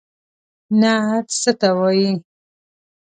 نعت څه ته وايي.